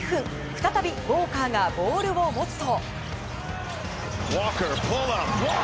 再びウォーカーがボールを持つと。